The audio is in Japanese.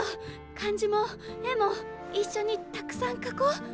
漢字も絵も一緒にたくさん書こう！